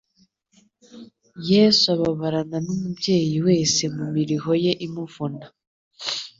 Yesu ababarana n'umubyeyi wese mu miruho ye imuvuna.